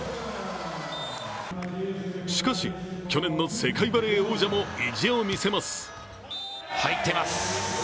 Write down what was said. しかし去年の世界バレー王者も意地を見せます。